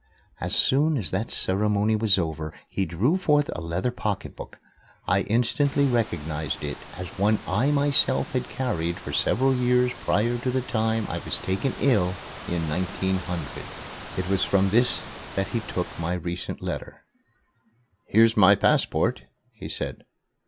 As soon as that ceremony was over, he drew forth a leather pocketbook. I instantly recognized it as one I myself had carried for several years prior to the time I was taken ill in 1900. It was from this that he took my recent letter. "Here's my passport," he said.